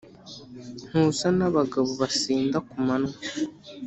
Ntusa n’abagabo basinda kumanwa